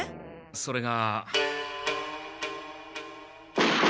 それが。